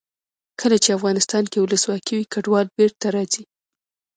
کله چې افغانستان کې ولسواکي وي کډوال بېرته راځي.